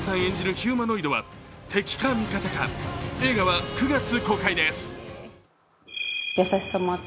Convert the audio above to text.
ヒューマノイドは敵か味方か、映画は９月公開です。